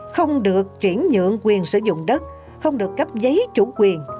không được chuyển nhượng quyền sử dụng đất không được cấp giấy chủ quyền